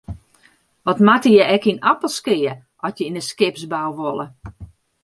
Wat moatte je ek yn Appelskea at je yn de skipsbou wolle?